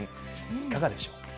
いかがでしょう。